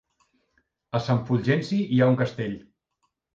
A Sant Fulgenci hi ha un castell?